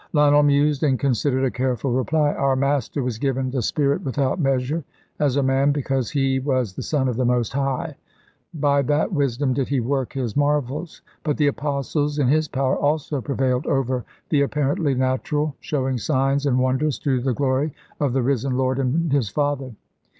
Lionel mused, and considered a careful reply. "Our Master was given the Spirit without measure as a man because He was the Son of the Most High; by that wisdom did He work His marvels. But the Apostles, in His power, also prevailed over the apparently natural, showing signs and wonders to the glory of the Risen Lord and His Father.